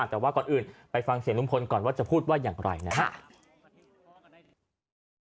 แต่ว่าก่อนอื่นไปฟังเสียงลุงพลก่อนว่าจะพูดว่าอย่างไรนะครับ